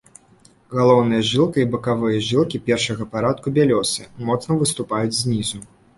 Галоўная жылка і бакавыя жылкі першага парадку бялёсыя, моцна выступаюць знізу.